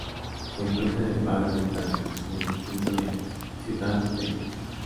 Se encuentra en el barrio del Carmen, en el distrito de Ciutat Vella.